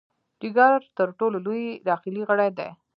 جګر تر ټولو لوی داخلي غړی دی.